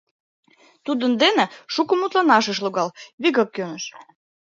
Тудын дене шуко мутланаш ыш логал, вигак кӧныш.